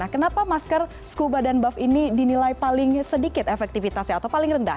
kenapa masker scuba dan buff ini dinilai paling sedikit efektivitasnya atau paling rendah